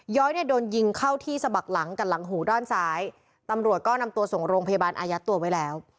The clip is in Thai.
้อยเนี่ยโดนยิงเข้าที่สะบักหลังกับหลังหูด้านซ้ายตำรวจก็นำตัวส่งโรงพยาบาลอายัดตัวไว้แล้ว